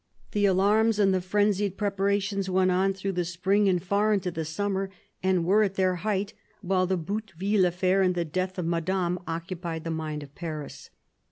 The alarms and the frenzied preparations went on through the spring and far into the summer, and were at their height while the Bouteville affair and the death of Madame occupied the mind of Paris.